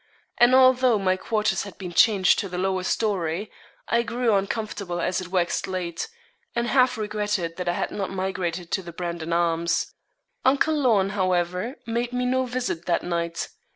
And although my quarters had been changed to the lower storey, I grew uncomfortable as it waxed late, and half regretted that I had not migrated to the 'Brandon Arms.' Uncle Lorne, however, made me no visit that night.